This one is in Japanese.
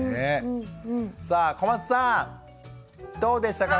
さあ小松さんどうでしたか？